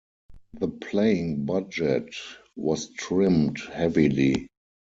The playing budget was trimmed heavily.